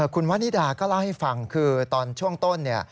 คุณวานิดาก็เล่าให้ฟังคือตอนช่วงต้นเนี่ย